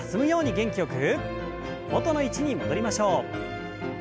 元の位置に戻りましょう。